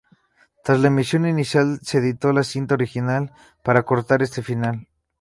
Tras la emisión inicial, se editó la cinta original para cortar ese final.